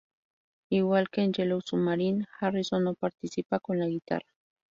Igual que en "Yellow Submarine", Harrison no participa con la guitarra.